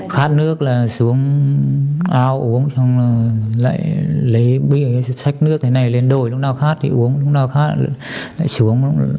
khát nước là xuống ao uống lấy bí ẩy sách nước này lên đôi lúc nào khát thì uống lúc nào khát lại xuống